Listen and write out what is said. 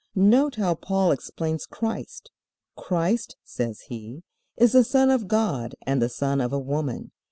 Note how Paul explains Christ. "Christ," says he, "is the Son of God and the son of a woman.